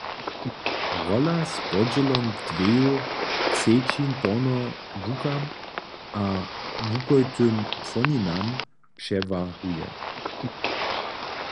Rola z podźělom dweju třećin porno łukam a łukojtym płoninam přewahuje.